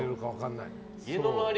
家の周り